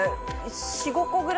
４５個くらい。